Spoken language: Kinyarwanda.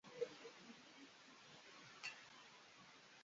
imurema ari ishusho ryayo bwite;